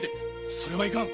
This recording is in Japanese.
それはいかん！